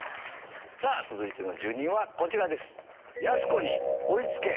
続いての住人はこちらです。